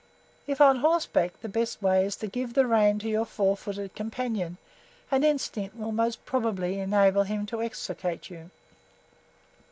If on horseback the best way is to give the rein to your four footed companion, and instinct will most probably enable him to extricate you.